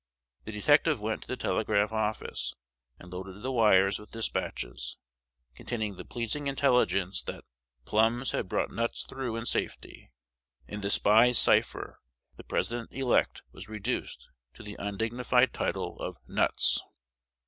The detective went to the telegraph office, and loaded the wires with despatches, containing the pleasing intelligence that "Plums" had brought "Nuts" through in safety. In the spy's cipher the President elect was reduced to the undignified title of "Nuts."